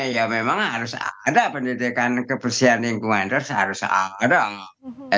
ya memang harus ada pendidikan kebersihan lingkungan itu harus ada